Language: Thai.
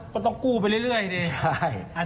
ก็ต้องกู้ไปเรื่อยดิ